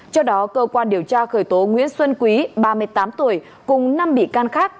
trước đó cơ quan điều tra khởi tố nguyễn xuân quý ba mươi tám tuổi cùng năm bị can khác